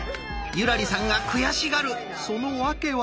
優良梨さんが悔しがるその訳は？